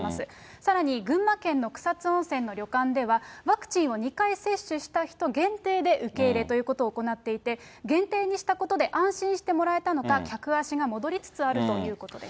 さらに群馬県の草津温泉の旅館では、ワクチンを２回接種した人限定で受け入れということを行っていて、限定にしたことで、安心してもらえたのか、客足が戻りつつあるということです。